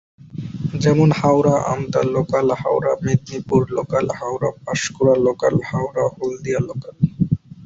যেমন- হাওড়া-আমতা local, Howrah-Medinipur local, Howrah-Panskura local, Howrah-Haldia local.